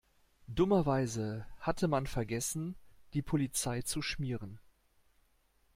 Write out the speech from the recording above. Dummerweise hatte man vergessen, die Polizei zu schmieren.